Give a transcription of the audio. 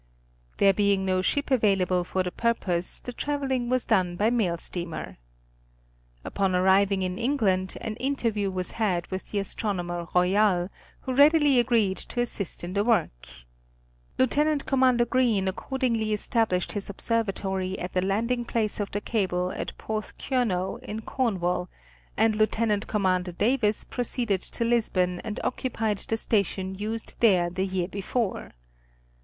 There being no ship available for the purpose the traveling was done by mail steamer. Upon arrival in England, an interview was had with the Astronomer Royal, who readily agreed to assist in the work. Lieut. Com. Green accordingly established his observatory at the landing place of the cable at Portheurnow in Cornwall, and Lieut. Com. Davis proceeded to Lisbon and occupied the station used there the year before.